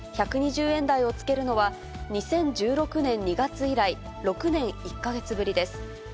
１２０円台をつけるのは、２０１６年２月以来、６年１か月ぶりです。